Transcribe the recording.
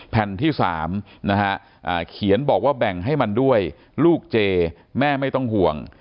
แผ่นที่๓นะฮะเขียนบอกว่าแบ่งให้มันด้วยลูกเจแม่ไม่ต้องห่วง